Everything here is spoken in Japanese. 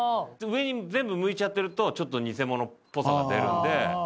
上に全部向いちゃってるとちょっと偽物っぽさが出るんで。